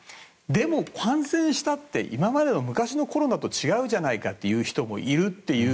でも感染したって、今までの昔のコロナと違うじゃないかって言う人もいるという。